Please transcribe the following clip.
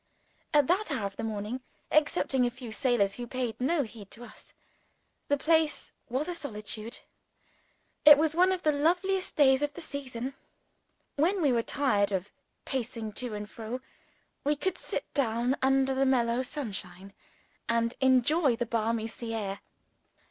At that hour of the morning (excepting a few sailors who paid no heed to us) the place was a solitude. It was one of the loveliest days of the season. When we were tired of pacing to and fro, we could sit down under the mellow sunshine, and enjoy the balmy sea air.